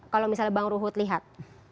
kalau misalnya bang ruhut lihat